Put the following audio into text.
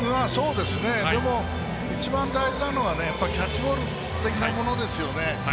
でも一番大事なのはキャッチボール的なものですよね。